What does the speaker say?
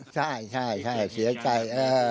ใช่เสียใจ